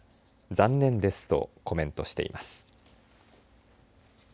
残念ですとコメントしています。